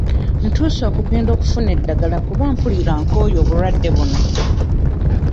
Ntuuse okugenda okufuna eddagala kuba mpulira nkooye obulwadde buno.